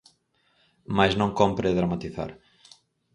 Mais non cómpre dramatizar.